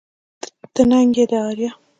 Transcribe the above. ته ننگ يې د اريا